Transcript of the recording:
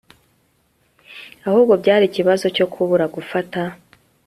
ahubwo byari ikibazo cyo kubura gufata